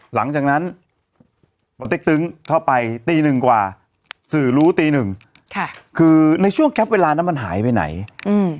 หลังจากนั้นปเต็กตึ้งเข้าไปตีหนึ่งกว่าสื่อรู้ตีหนึ่งค่ะคือในช่วงแก๊ปเวลานั้นมันหายไปไหนอืม